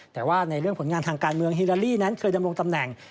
แต่ว่าในเรื่องผลงานทางการเมืองฮิลาลีนั้นเคยดำรงตำแหน่ง